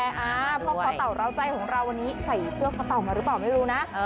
พ่อขอเต่าร้าวใจของเราวันนี้ใส่เสื้อคอเต่ามาหรือเปล่าไม่รู้นะ